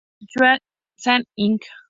El Wet Seal, Inc.